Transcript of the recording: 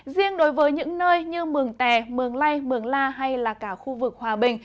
riêng đối với những nơi như mường tè mường lây mường la hay là cả khu vực hòa bình